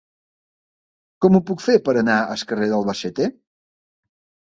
Com ho puc fer per anar al carrer d'Albacete?